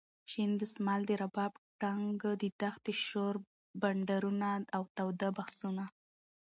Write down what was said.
شین دسمال ،د رباب ټنګ د دښتې شور ،بنډارونه اوتاوده بحثونه.